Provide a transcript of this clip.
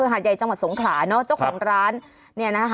ใหญ่จังหวัดสงขาเจ้าของร้าน